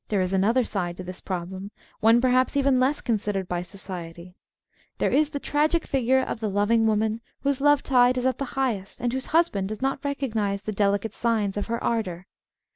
'Inhere is another side to this problem, one perhaps even less considered by society. There is the tragic figure of the loving woman whose love tide is at the highest, and whose husband does not recognise the delicate signs of her ardour.